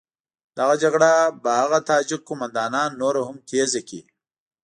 دغه جګړه به هغه تاجک قوماندانان نوره هم تېزه کړي.